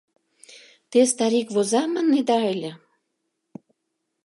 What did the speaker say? — Те «Старик воза» маннеда ыле.